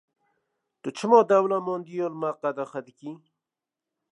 Tu çima dewlemendiyê li me qedexe dikî?